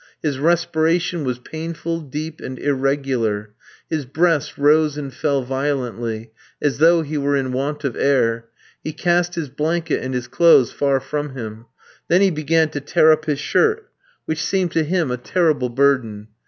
His respiration was painful, deep, and irregular; his breast rose and fell violently, as though he were in want of air; he cast his blanket and his clothes far from him. Then he began to tear up his shirt, which seemed to him a terrible burden.